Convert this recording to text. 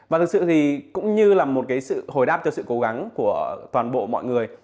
và thực sự thì cũng như là một cái sự hồi đáp cho sự cố gắng của toàn bộ mọi người